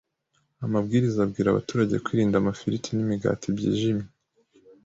amabwiriza abwira abaturage kwirinda amafiriti n’imigati byijimye.